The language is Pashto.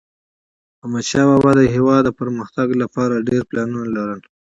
احمدشاه بابا د هیواد د پرمختګ لپاره ستر پلانونه لرل.